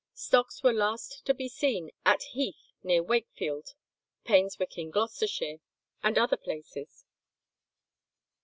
[165:1] Stocks were last to be seen at Heath near Wakefield, Painswick in Gloucestershire, and other places.